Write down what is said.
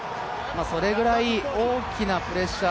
それぐらい大きなプレッシャー